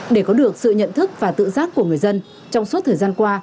để có được sự nhận thức và tự giác của người dân trong suốt thời gian qua